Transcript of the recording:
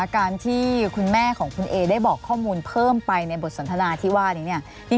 การที่คุณแม่ของคุณเอได้บอกข้อมูลเพิ่มไปในบทสนทนาที่ว่านี้เนี่ย